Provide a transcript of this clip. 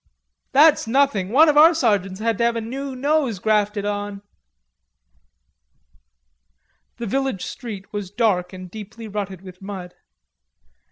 "That's nothing; one of our sergeants had to have a new nose grafted on...." The village street was dark and deeply rutted with mud.